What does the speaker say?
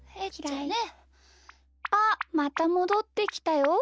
あっまたもどってきたよ。